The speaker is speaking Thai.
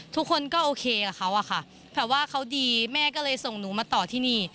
ทุกคนก็โอเคกับเขาอะค่ะแบบว่าเขาดีแม่ก็เลยส่งหนูมาต่อที่นี่